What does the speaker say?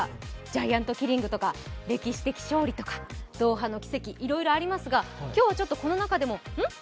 ジャイアントキリングとか歴史的勝利とか、ドーハの奇跡、いろいろありますが今日はこの中でもん？